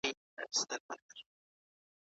علم شمع ده چي بله پاتې کيږي.